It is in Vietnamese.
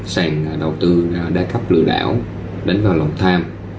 sàn đầu tư đa cấp lừa đảo đánh vào lòng tham